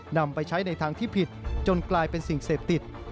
นำไปใช้ในทางที่ผิดจนกลายเป็นสิ่งเสพติด